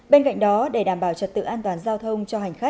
bên cạnh đó để đảm bảo trật tự an toàn giao thông